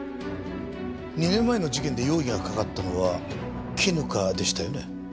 ２年前の事件で容疑がかかったのは絹香でしたよね？